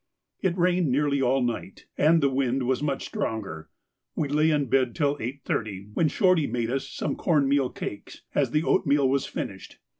It rained nearly all night, and the wind was much stronger. We lay in bed till 8.30, when Shorty made us some corn meal cakes, as the oatmeal was finished.